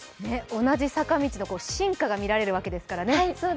同じ坂道の進化が見られるわけですからね。